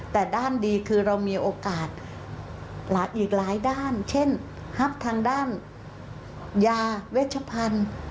แต่ด้านดีคือเรามีโอกาสอีกหลายด้านเช่นฮับทางด้านยาเวชพันธุ์